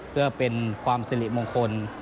เพื่อเป็นความสิริมงคล